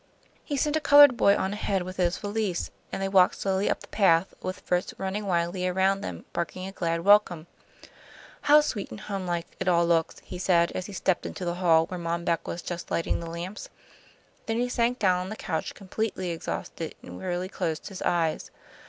He sent a coloured boy on ahead with his valise, and they walked slowly up the path, with Fritz running wildly around them, barking a glad welcome. "How sweet and homelike it all looks!" he said, as he stepped into the hall, where Mom Beck was just lighting the lamps. Then he sank down on the couch, completely exhausted, and wearily closed his eyes.